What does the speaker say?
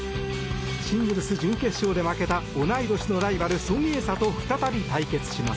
シングルス準決勝で負けた同い年のライバルソン・エイサと再び対決します。